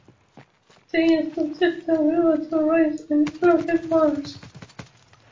They expected the river to rise in flood at once.